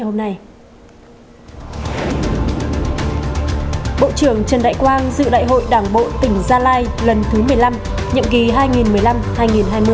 trần đại quang dự đại hội đảng bộ tỉnh gia lai lần thứ một mươi năm nhậm ký hai nghìn một mươi năm hai nghìn hai mươi